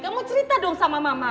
kamu cerita dong sama mama